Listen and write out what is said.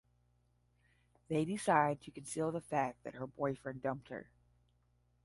They decide to conceal the fact that her boyfriend dumped her.